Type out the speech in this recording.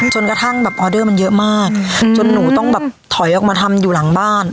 จนกระทั่งแบบออเดอร์มันเยอะมากจนหนูต้องแบบถอยออกมาทำอยู่หลังบ้าน